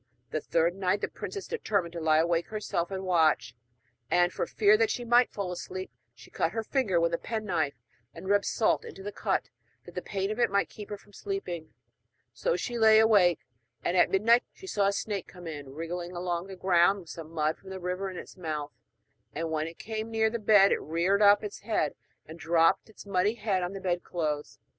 The third night the princess determined to lie awake herself and watch; and, for fear that she might fall asleep, she cut her finger with a penknife and rubbed salt into the cut, that the pain of it might keep her from sleeping. So she lay awake, and at midnight she saw a snake come wriggling along the ground with some mud from the river in its mouth; and when it came near the bed, it reared up its head and dropped its muddy head on the bedclothes.